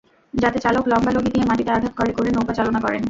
যাতে চালক লম্বা লগি দিয়ে মাটিতে আঘাত করে করে নৌকা চালনা করেন।